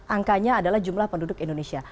angkanya adalah jumlah penduduk indonesia